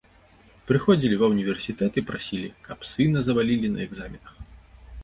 Прыходзілі ва ўніверсітэт і прасілі, каб сына завалілі на экзаменах.